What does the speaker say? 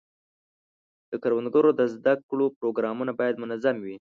د کروندګرو د زده کړو پروګرامونه باید منظم وي.